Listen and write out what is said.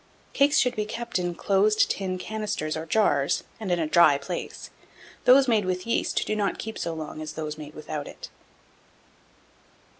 1711. Cakes should be kept in closed tin canisters or jars, and in a dry place. Those made with yeast do not keep so long as those made without it.